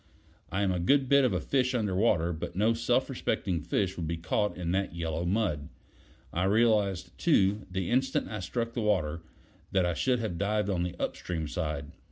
I am a good bit of a fish under water, but no self respecting fish would be caught in that yellow mud. I realized, too, the instant I struck the water, that I should have dived on the upstream side.